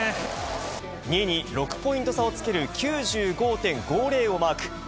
２位に６ポイント差をつける９５．５０をマーク。